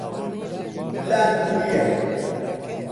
پلانم نییە.